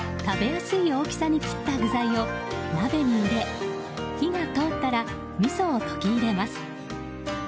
食べやすい大きさに切った具材を鍋に入れ火が通ったらみそを溶き入れます。